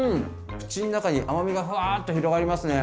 口ん中に甘みがふわっと広がりますね。